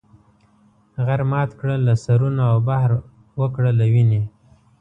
غر مات کړه له سرونو او بحر وکړه له وینې.